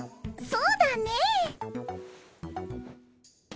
そうだね。